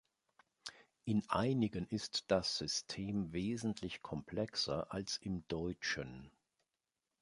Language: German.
In einigen ist das System wesentlich komplexer als im Deutschen.